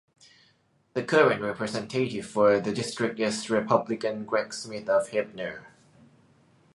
The current representative for the district is Republican Greg Smith of Heppner.